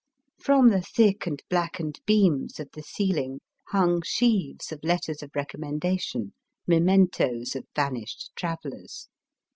From the thick and blackened beams of the ceiling hung sheaves of letters of recommen dation, mementos of vanished travellers.